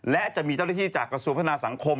และจะมีเจ้าหน้าที่จากกระทรวงพัฒนาสังคม